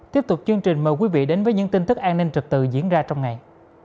tiếp tục chương trình mời quý vị đến với những tin tức an ninh trực tự diễn ra trong ngày